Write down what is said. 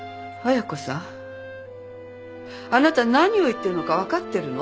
亜矢子さんあなた何を言ってるのか分かってるの？